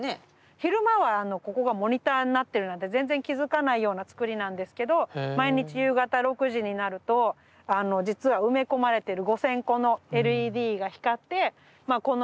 昼間はここがモニターになってるなんて全然気付かないようなつくりなんですけど毎日夕方６時になると実は埋め込まれてる５，０００個のＬＥＤが光ってまあ